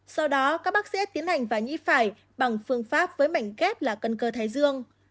sau đó các bác sĩ tiến hành và nhĩ phải bằng phương pháp với mảnh ghép là cân cơ thái dương